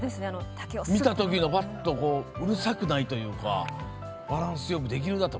見た時の、うるさくないというかバランスよくできるんだと。